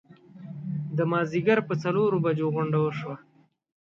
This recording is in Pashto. د مازیګر پر څلورو بجو غونډه وشوه.